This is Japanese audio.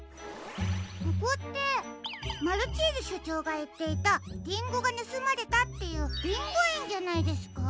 ここってマルチーズしょちょうがいっていたリンゴがぬすまれたっていうリンゴえんじゃないですか？